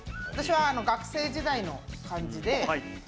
学生時代の感じで。